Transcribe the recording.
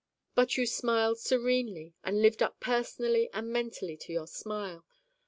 But you smiled serenely and lived up personally and mentally to your smile.